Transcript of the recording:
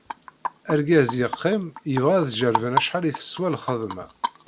Argaz, yeqqim, yebɣa ad jerrben acḥal i teswa lxedma.